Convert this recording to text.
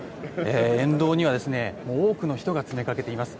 沿道には多くの人が詰めかけています。